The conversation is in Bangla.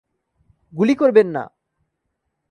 গুলি করবেন না!